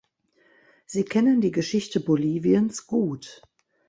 Sie kennen die Geschichte Boliviens gut.